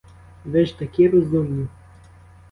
Ви ж такі розумні!